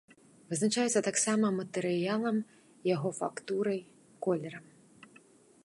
Вызначаецца таксама матэрыялам, яго фактурай, колерам.